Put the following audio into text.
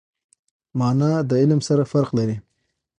مانا د علم سره فرق لري.